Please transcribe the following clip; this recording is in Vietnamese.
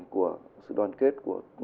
của sự đoàn kết của